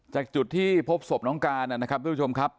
จากจุดที่พบศพน้องการนะครับทุกผู้ชมครับ